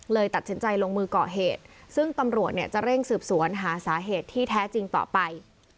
ตัดสินใจลงมือก่อเหตุซึ่งตำรวจเนี่ยจะเร่งสืบสวนหาสาเหตุที่แท้จริงต่อไป